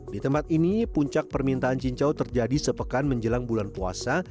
di tempat ini puncak permintaan cincau terjadi sepekan menjelang bulan puasa